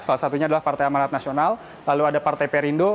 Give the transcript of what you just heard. salah satunya adalah partai amanat nasional lalu ada partai perindo